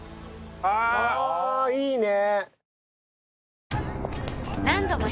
ああいいね。